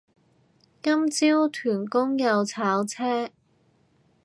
今朝屯公又炒車